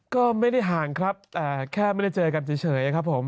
ก็ไม่ได้ห่างครับแต่แค่ไม่ได้เจอกันเฉยครับผม